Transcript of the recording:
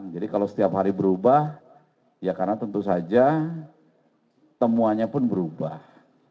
kalau setiap hari berubah ya karena tentu saja temuannya pun berubah